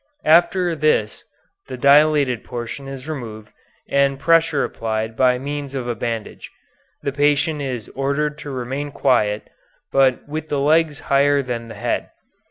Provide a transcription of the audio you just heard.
After this the dilated portion is removed and pressure applied by means of a bandage. The patient is ordered to remain quiet, but with the legs higher than the head.